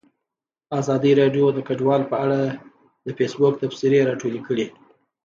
ازادي راډیو د کډوال په اړه د فیسبوک تبصرې راټولې کړي.